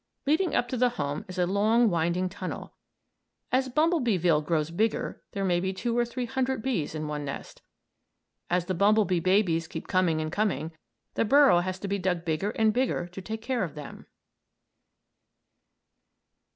Leading up to the home is a long, winding tunnel. As Bumblebeeville grows bigger there may be two or three hundred bees in one nest. As the bumblebee babies keep coming and coming, the burrow has to be dug bigger and bigger, to take care of them.